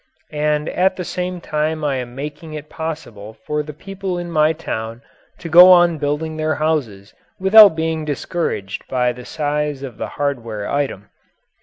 And at the same time I am making it possible for the people in my town to go on building their houses without being discouraged by the size of the hardware item."